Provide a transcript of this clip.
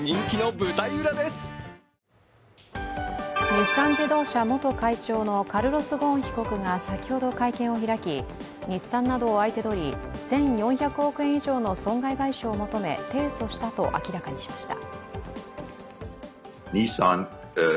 日産自動車元会長のカルロス・ゴーン被告が先ほど会見を開き日産などを相手取り、１４００億円以上の損害賠償を求め提訴したと明らかにしました。